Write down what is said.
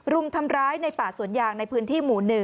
รุมทำร้ายในป่าสวนยางในพื้นที่หมู่๑